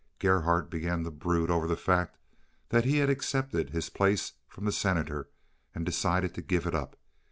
Gerhardt began to brood over the fact that he had accepted his place from the Senator and decided to give it up.